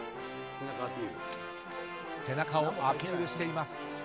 背中をアピールしています。